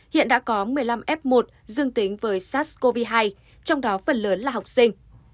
hiện đã có một mươi năm f một dương tính với sars cov hai trong đó phần lớn là học sinh